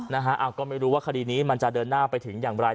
นะฮะก็ไม่รู้ว่าคดีนี้มันจะเดินหน้าไปถึงอย่างไร